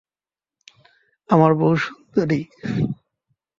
তিনি ব্রাহ্ম সমাজের প্রার্থনার জন্য বেশকিছু গানের সুরারোপ করেন।